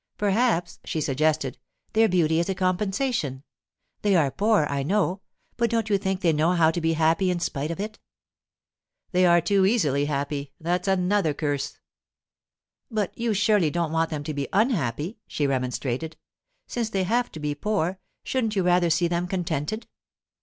'Perhaps,' she suggested, 'their beauty is a compensation. They are poor, I know; but don't you think they know how to be happy in spite of it?' 'They are too easily happy. That's another curse.' 'But you surely don't want them to be unhappy,' she remonstrated. 'Since they have to be poor, shouldn't you rather see them contented?